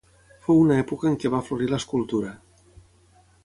Fou una època en què va florir l'escultura.